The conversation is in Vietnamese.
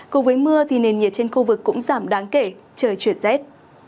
cùng với mưa thì nền nhiệt trên khu vực cũng giảm đáng kể trời chuyển rét